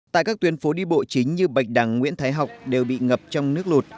tại các tuyến phố đi bộ chính như bạch đằng nguyễn thái học đều bị ngập trong nước lụt